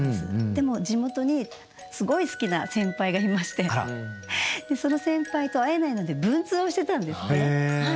でも地元にすごい好きな先輩がいましてその先輩と会えないので文通をしてたんですね。